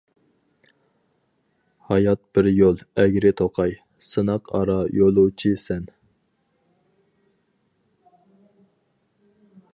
ھايات بىر يول ئەگرى توقاي، سىناق ئارا يولۇچى سەن.